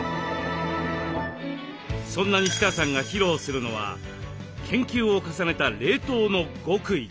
そんな西川さんが披露するのは研究を重ねた冷凍の極意。